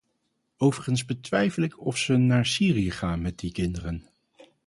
Overigens betwijfel ik of ze naar Syrië gaan met die kinderen.